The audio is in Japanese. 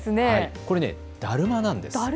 これ、だるまなんです。